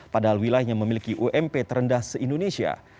padahal wilayahnya memiliki ump terendah se indonesia